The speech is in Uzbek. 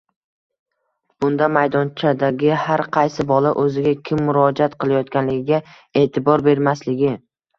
Bunda maydonchadagi har qaysi bola o‘ziga kim murojaat qilayotganligiga e’tibor bermasligi